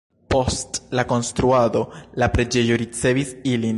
Post la konstruado la preĝejo ricevis ilin.